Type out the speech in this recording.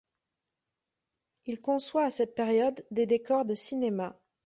Il conçoit à cette période des décors de cinéma.